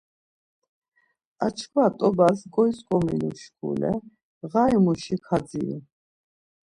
Ar çkva t̆obas gyatzǩomilu şkule ğai muşi kadziru.